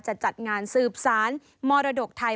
จัดงานสืบสารมรดกไทย